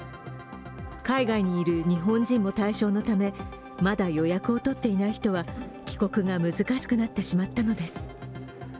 海外にいる日本人も対象のためまだ予約を取っていない人は帰国が難しくなってしまったのです。